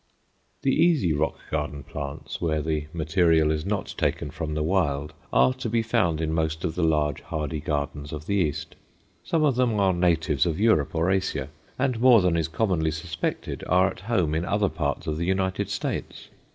The easy rock garden plants, where the material is not taken from the wild, are to be found in most of the large hardy gardens of the East. Some of them are natives of Europe or Asia, and more than is commonly suspected are at home in other parts of the United States.